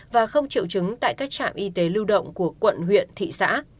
và không triệu chứng tại các trạm y tế lưu động của quận huyện thị xã